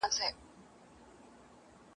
اوس که زما منۍ را ټول یې کړی تخمونه!.